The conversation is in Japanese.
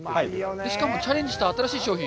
しかもチャレンジした新しい商品？